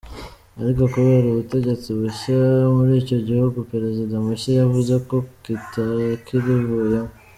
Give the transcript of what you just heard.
Ariko kubera ubutegetsi bushya muri icyo gihugu perezida mushya yavuze ko kitakiruvuyemo.